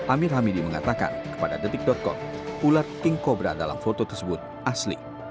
amir hamidi mengatakan kepada detik com ular king cobra dalam foto tersebut asli